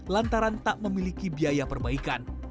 lantaran tak memiliki biaya perbaikan